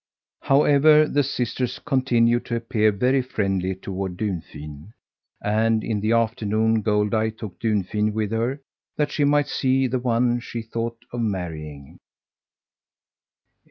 However, the sisters continued to appear very friendly toward Dunfin, and in the afternoon Goldeye took Dunfin with her, that she might see the one she thought of marrying.